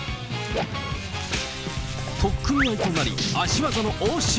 取っ組み合いとなり、足技の応酬。